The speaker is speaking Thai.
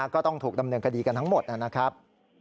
ก็ต้องถูกดำเนินคดีกันทั้งหมดนะครับ